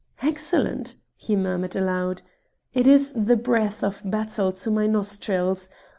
"Excellent!" he murmured aloud. "It is the breath of battle to my nostrils.